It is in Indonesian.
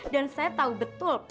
dan saya tau betul